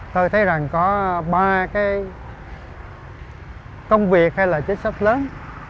tôi thấy rằng có ba cái công việc hay là chính sách lớn